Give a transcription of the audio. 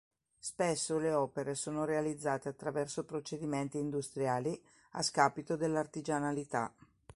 Spesso le opere sono realizzate attraverso procedimenti industriali, a scapito dell'artigianalità.